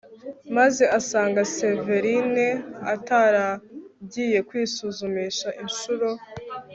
maze asanga severine ataragiye kwisuzumisha incuro